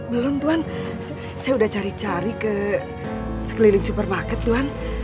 belum tuhan saya udah cari cari ke sekeliling supermarket tuhan